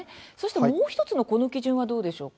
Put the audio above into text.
もう１つの基準はどうでしょうか。